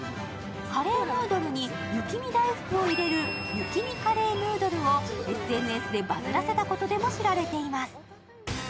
カレーヌードルに雪見だいふくを入れる雪見カレーヌードルをＳＮＳでバズらせたことでも知られています。